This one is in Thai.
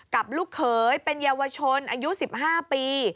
ลูกเขยเป็นเยาวชนอายุ๑๕ปี